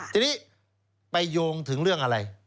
ทีนี้ไปโยงถึงเรื่องอะไร